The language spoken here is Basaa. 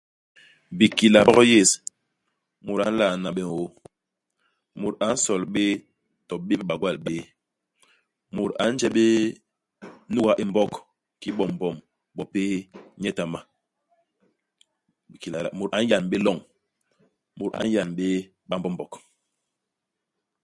Bikila bi Mbog yés. Mut a nlalna bé ñôô ; mut a nsol bé to bép bagwal bé ; mut a nje bé nuga i Mbog kiki bo mbom, bo péé, nyetama ; bikila, mut a nyan bé loñ ; mut a nyan bé Bambombog.